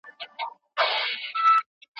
دوی د ټولنیزو طرحو په جوړولو کې رول لري.